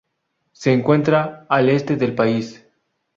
Se encuentra al este del país.